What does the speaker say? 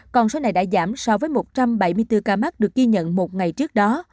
còn số này đã giảm so với một trăm bảy mươi bốn ca mắc được ghi nhận một ngày trước đó